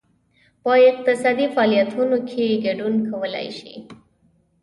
په اقتصادي فعالیتونو کې ګډون کولای شي.